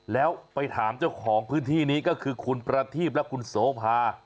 แล้วไปถามเจ้าของพื้นที่นี้ก็คือคุณประทีพและคุณโสภา